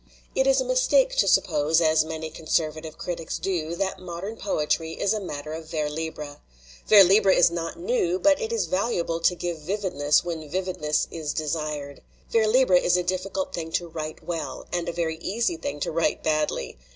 "It is a mistake to suppose, as many conserva tive critics do, that modern poetry is a matter of vers libre. Vers libre is not new, but it is valuable to give vividness when vividness is desired. Vers libre is a difficult thing to write well, and a very easy thing to write badly.